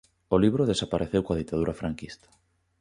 O libro desapareceu coa ditadura franquista.